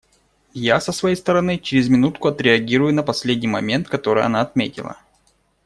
Я, со своей стороны, через минутку отреагирую на последний момент, который она отметила.